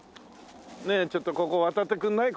ねえちょっとここ渡ってくれない？